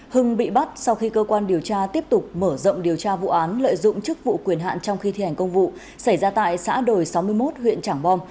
hưng bị bắt sau khi cơ quan điều tra tiếp tục mở rộng điều tra vụ án lợi dụng chức vụ quyền hạn trong khi thi hành công vụ xảy ra tại xã đồi sáu mươi một huyện trảng bom